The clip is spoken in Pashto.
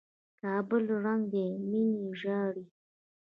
کابل ړنګ دى ميني ژاړي